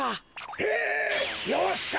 えっ！よっしゃ！